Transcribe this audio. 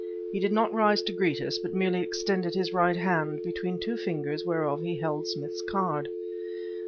He did not rise to greet us, but merely extended his right hand, between two fingers whereof he held Smith's card.